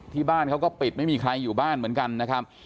ที่บ้านเขาก็ปิดไม่มีใครอยู่บ้านเหมือนกันนะครับ